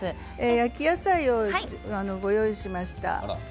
焼き野菜をご用意しました。